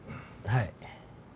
はい。